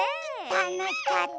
たのしかった。